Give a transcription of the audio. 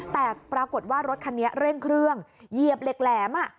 แต่ปรากฏว่ารถคันนี้เร่งเครื่องเหยียบเหล็กแหลม